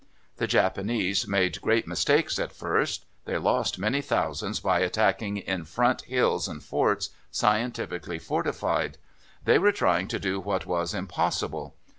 The Japanese made great mistakes at first: they lost many thousands by attacking in front hills and forts scientifically fortified. They were trying to do what was impossible.